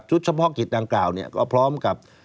เฉพาะกิจดังกล่าวเนี่ยก็พร้อมกับ